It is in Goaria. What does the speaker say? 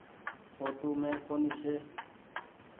ڦوٽو مين ڪونيٚ ڇي۔